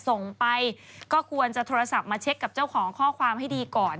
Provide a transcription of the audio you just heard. ส่งไปก็ควรจะโทรศัพท์มาเช็คกับเจ้าของข้อความให้ดีก่อน